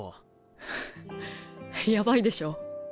ふっやばいでしょ。